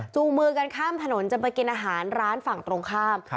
มือกันข้ามถนนจะไปกินอาหารร้านฝั่งตรงข้าม